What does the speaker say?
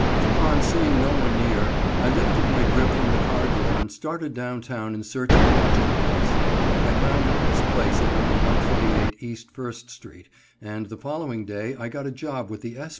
_ Upon seeing no one near, I lifted my grip from the car door and started down town in search of a lodging place. I found a nice place at No. 128 E. First street, and the following day I got a job with the S.